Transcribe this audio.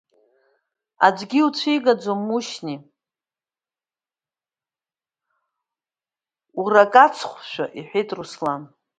Аӡәгьы иуцәигаӡом, Мушьни, уракац хәшәы, — иҳәеит Руслан.